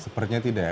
sepertinya tidak ya